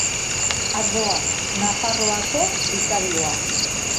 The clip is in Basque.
Ardoa: Nafarroako bikarioa.